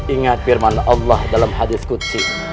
ingat firman allah dalam hadis kunci